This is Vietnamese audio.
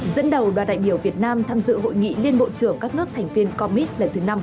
dẫn đầu đoàn đại biểu việt nam tham dự hội nghị liên bộ trưởng các nước thành viên comit lần thứ năm